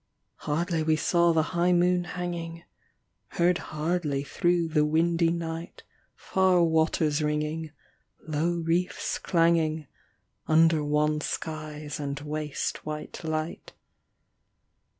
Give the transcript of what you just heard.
Hardly we saw the high moon hanging, Heard hardly through the windy night Far waters ringing, low reefs clanging, Under wan skies and waste white light.